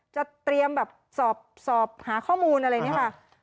จะเตรียมแบบสอบหาข้อมูลอะไรเนี่ยค่ะ